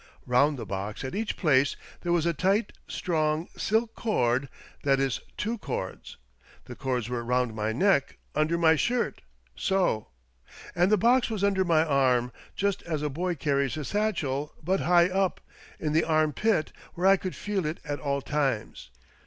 Bound the box at each place there was a tight, strong, silk cord — that is two cords. The cords were round my neck, under my shirt, so. And the box was under my arm — just as a boy carries his satchel, but high up — in the arm pit, where I could feel it at all times.